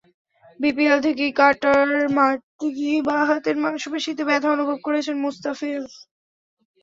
BPL থেকেই cutter মারতে গিয়ে বাঁ হাতের মাংসপেশিতে ব্যথা অনুভব করছেন মুস্তাফিজ।